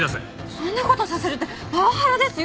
そんな事させるってパワハラですよ！